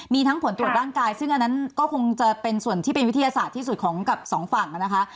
มีทั้งผลตรวจร่างกายซึ่งอันนั้นก็คงจะเป็นส่วนที่เป็นวิทยาศาสตร์ที่สุดของกับสองฝั่งนะคะ